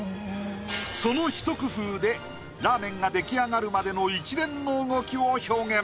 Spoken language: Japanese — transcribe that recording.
そのひと工夫でラーメンが出来上がるまでの一連の動きを表現。